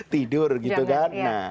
tidur gitu kan